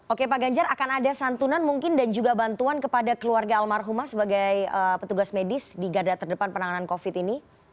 oke pak ganjar akan ada santunan mungkin dan juga bantuan kepada keluarga almarhumah sebagai petugas medis di garda terdepan penanganan covid ini